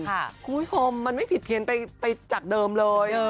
คุณผู้ชมมันไม่ผิดเพี้ยนไปจากเดิมเลย